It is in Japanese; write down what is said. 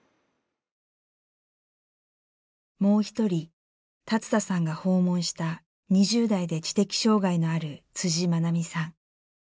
もう一人龍田さんが訪問した２０代で知的障害のある愛美さん。